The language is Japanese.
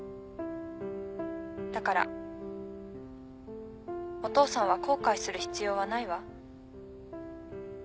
☎だからお父さんは後悔する必要はないわ。